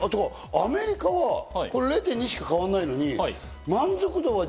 アメリカは０．２しか変わらないのに、満足度は